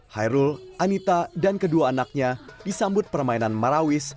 khairul anita dan kedua anaknya disambut permainan marawees